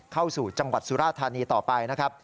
เข้าสู่จังหวัดสุราธารณีต่อไป